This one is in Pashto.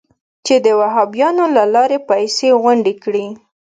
چې د وهابیانو له لارې پیسې غونډې کړي.